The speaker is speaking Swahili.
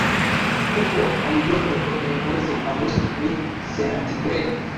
Huko halijoto kwenye mwezi Agosti ni sentigredi